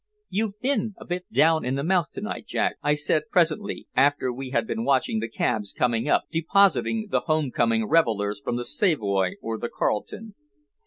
"You've been a bit down in the mouth to night, Jack," I said presently, after we had been watching the cabs coming up, depositing the home coming revelers from the Savoy or the Carlton.